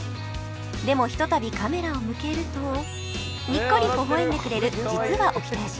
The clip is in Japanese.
でもひとたびカメラを向けるとにっこりほほえんでくれる実はお人よし